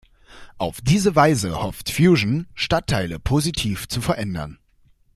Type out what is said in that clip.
Auf diese Weise hofft Fusion, Stadtteile positiv zu verändern.